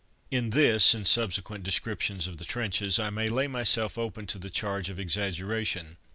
In this, and subsequent descriptions of the trenches, I may lay myself open to the charge of exaggeration.